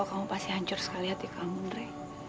aku tahu kamu pasti hancur sekali hati kamu nere